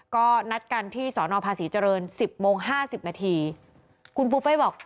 ก็นัดกันที่สอนอภาษีเจริญสิบโมงห้าสิบนาทีคุณปูเป้บอก